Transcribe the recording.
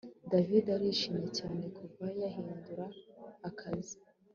David arishimye cyane kuva yahindura akazi